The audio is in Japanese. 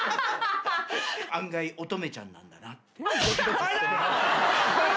案外、乙女ちゃんなんだなって。